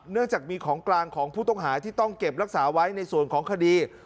เนื่องจากมีของกลางของผู้ต้องหาที่ต้องเก็บรักษาไว้ในส่วนของคดี